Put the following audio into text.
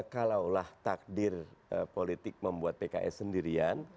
kalaulah takdir politik membuat pks sendirian